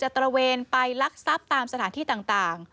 ตระเวนไปลักทรัพย์ตามสถานที่ต่าง